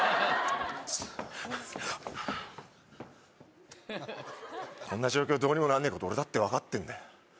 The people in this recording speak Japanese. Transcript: クソこんな状況どうにもなんねえこと俺だって分かってんだよ